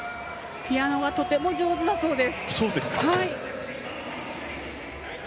ピアノがとても上手だそうです。